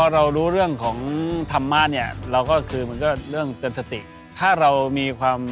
เหมือนกับข้าเรียกว่า